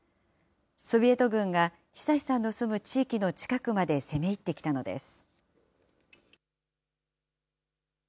ソビエト軍が恒さんの住む地域の近くまで攻め入ってきたのです。